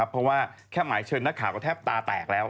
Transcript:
เพราะว่าแค่หมายเชิญนักข่าวก็แทบตาแตกแล้ว